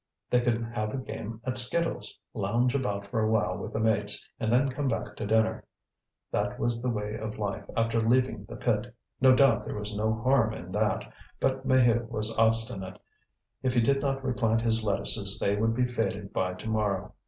They could have a game at skittles, lounge about for a while with the mates, and then come back to dinner. That was the way of life after leaving the pit. No doubt there was no harm in that, but Maheu was obstinate; if he did not replant his lettuces they would be faded by to morrow.